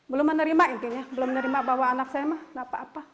belum menerima intinya belum menerima bawa anak saya mah nggak apa apa